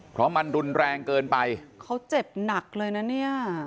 เพราะมันรุนแรงเกินไปเขาเจ็บหนักเลยนะเนี่ย